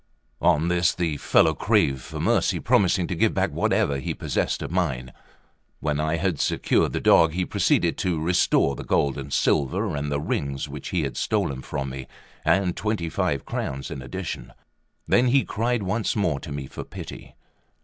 On this the fellow craved for mercy, promising to give back whatever he possessed of mine. When I had secured the dog, he proceeded to restore the gold and silver and the rings which he had stolen from me, and twenty five crowns in addition. Then he cried once more to me for pity.